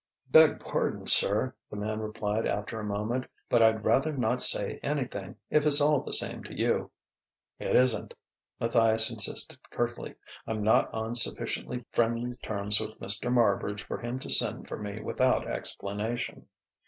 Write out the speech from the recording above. "Beg pardon, sir," the man replied after a moment "but I'd rather not say anything, if it's all the same to you." "It isn't," Matthias insisted curtly. "I'm not on sufficiently friendly terms with Mr. Marbridge for him to send for me without explanation."